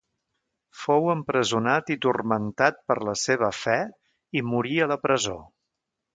Fou empresonat i turmentat per la seva fe i morí a la presó.